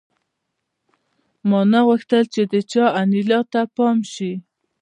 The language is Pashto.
ما نه غوښتل چې د چا انیلا ته پام شي